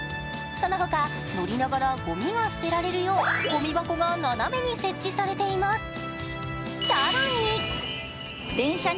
その他乗りながらごみが捨てられるようごみ箱が斜めに設置されています。